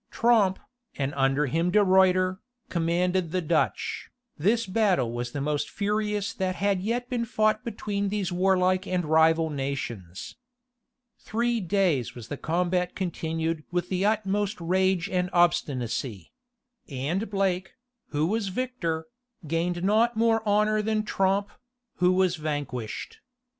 Tromp, and under him De Ruiter, commanded the Dutch. This battle was the most furious that had yet been fought between these warlike and rival nations. Three days was the combat continued with the utmost rage and obstinacy; and Blake, who was victor, gained not more honor than Tromp, who was vanquished.